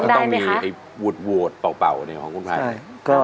ต้องมีไอ้หวดเป่าของคุณไพ